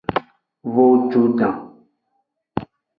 Vojudan.